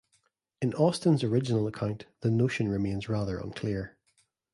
In Austin's original account, the notion remains rather unclear.